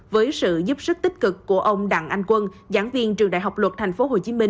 với sự giúp sức tích cực của ông đặng anh quân giảng viên trường đại học luật tp hcm